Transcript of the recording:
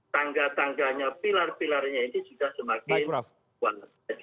tangga tangganya pilar pilarnya itu sudah semakin kuat